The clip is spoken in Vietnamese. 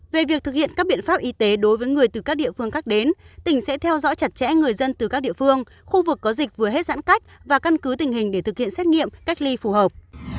về việc thực hiện các biện pháp y tế đối với người từ các địa phương khác đến tỉnh sẽ theo dõi chặt chẽ người dân từ các địa phương khu vực có dịch vừa hết giãn cách và căn cứ tình hình để thực hiện xét nghiệm cách ly phù hợp